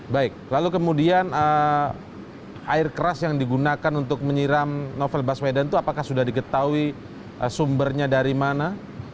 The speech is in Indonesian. baik lalu kemudian air keras yang digunakan untuk menyiram novel baswedan itu apakah sudah diketahui sumbernya dari mana